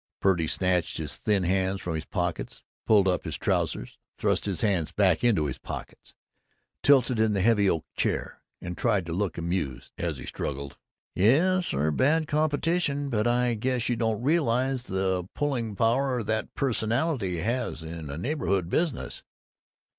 Purdy snatched his thin hands from his pockets, pulled up his trousers, thrust his hands back into his pockets, tilted in the heavy oak chair, and tried to look amused, as he struggled: "Yes, they're bad competition. But I guess you don't realize the Pulling Power that Personality has in a neighborhood business."